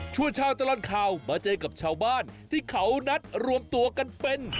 ชาวตลอดข่าวมาเจอกับชาวบ้านที่เขานัดรวมตัวกันเป็น